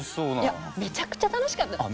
いやめちゃくちゃ楽しかった。